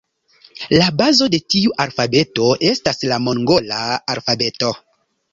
La bazo de tiu alfabeto estas la mongola alfabeto.